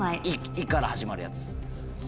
「い」から始まるやつ。